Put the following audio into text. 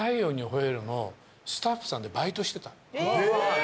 え！